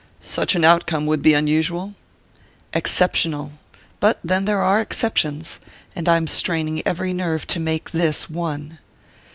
"Such an outcome would be unusual?" "Exceptional. But then there are exceptions. And I'm straining every nerve to make this one!"